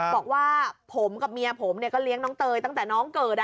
บอกว่าผมกับเมียผมก็เลี้ยงน้องเตยตั้งแต่น้องเกิด